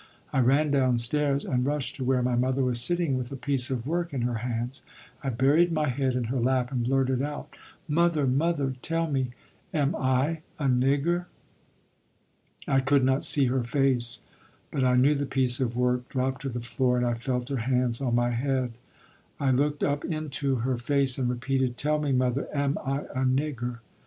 I ran downstairs and rushed to where my mother was sitting, with a piece of work in her hands. I buried my head in her lap and blurted out: "Mother, mother, tell me, am I a nigger?" I could not see her face, but I knew the piece of work dropped to the floor and I felt her hands on my head. I looked up into her face and repeated: "Tell me, mother, am I a nigger?"